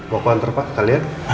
mau kuantor pak kalian